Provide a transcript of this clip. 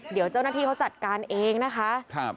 เดี๋ยวเจ้าหน้าที่เขาจัดการเองนะคะ